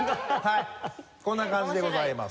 こんな感じでございます。